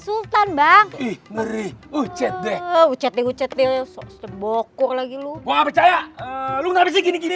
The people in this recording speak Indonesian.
sultan bang ih merih ucet deh ucet deh ucet deh boku lagi lu gua percaya lu gak bisa gini gini